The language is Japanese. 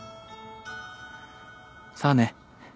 さあね。